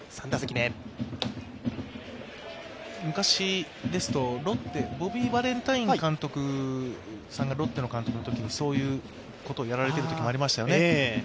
昔ですと、ボビー・バレンタインさんがロッテの監督のときそういうことをやられているときもありましたよね。